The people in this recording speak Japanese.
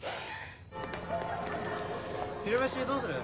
昼飯どうする？